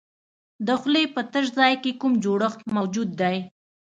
د خولې په تش ځای کې کوم جوړښت موجود دی؟